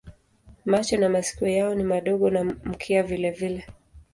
Macho na masikio yao ni madogo na mkia vilevile.